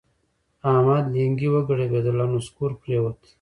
د احمد لېنګي وګړبېدل او نسکور پرېوت.